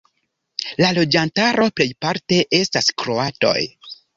La loĝantaro plejparte estas kroatoj.